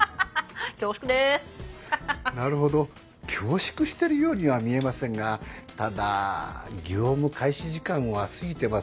なるほど恐縮してるようには見えませんがただ業務開始時間は過ぎています。